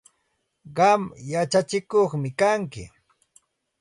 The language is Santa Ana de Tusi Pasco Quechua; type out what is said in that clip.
Qam yachatsikuqmi kanki.